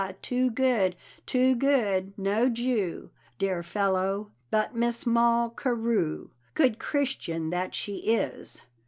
too good, too good, no Jew, Dear fellow, but Miss Moll Carew, Good Christian that she is!